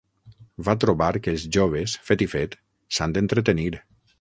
Va trobar que els joves, fet i fet, s'han d'entretenir